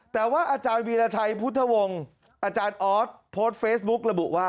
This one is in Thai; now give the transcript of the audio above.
แต่ว่าอาจารย์วีรชัยพุธวงศ์อออสโทรสเปอสบุค